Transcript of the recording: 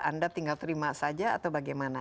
anda tinggal terima saja atau bagaimana